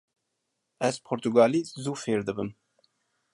Ez portugalî zû fêr dibim.